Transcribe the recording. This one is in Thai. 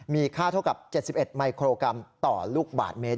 มีค่าเท่ากับ๗๑มิโครกรัมต่อลูกบาทเมตร